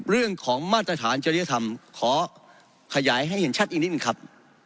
เรื่องของมาตรฐานจริยธรรมขอขยายให้เห็นชัดอีกนิดนึงครับ